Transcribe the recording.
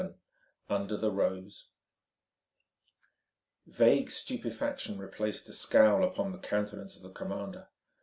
XI UNDER THE ROSE Vague stupefaction replaced the scowl upon the countenance of the commander.